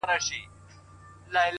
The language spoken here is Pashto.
هم ګونګی سو هم یې مځکه نه لیدله؛